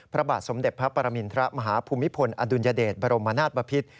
พระบาทสมเด็จพระปรมินทรมาฮภูมิพลอดุลยเดชบรมนาศบพิษ